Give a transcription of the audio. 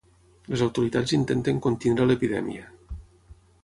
Les autoritats intenten contenir l'epidèmia.